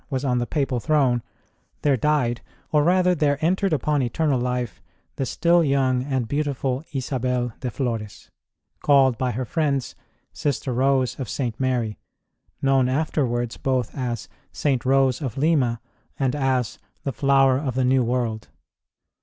was on the Papal throne, there died, or rather there entered upon eternal life, the still young and beautiful Isabel de Flores, called by her friends Sister Rose of St. Mary, 1 known afterwards both as St. Rose of Lima and as The Flower of the New World.